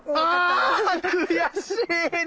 あ悔しいな。